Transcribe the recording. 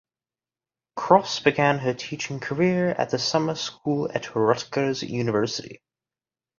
Cross began her teaching career at the summer school at Rutgers University.